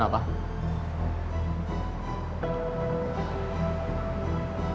dia udah keliatan